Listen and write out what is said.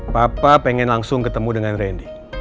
papa pengen langsung ketemu dengan randy